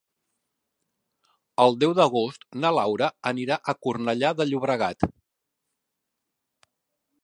El deu d'agost na Laura anirà a Cornellà de Llobregat.